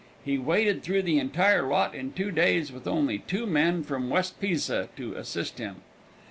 He waded through the entire lot in two days with only two men from West Pisa to assist him.